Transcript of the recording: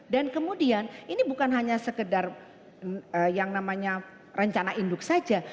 dan kemudian ini bukan hanya sekedar yang namanya rencana induk saja